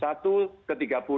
satu ke tiga puluh